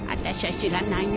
知らないよ